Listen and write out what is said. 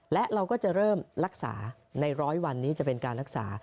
และเราก็จะเริ่มรักษาในร้อยวันนี้จะเป็นการรักษา